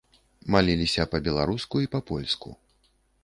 Маліліся па-беларуску і па-польску.